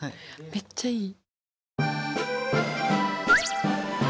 めっちゃいい。